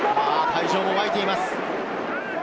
会場も沸いています。